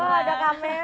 oh ada kamera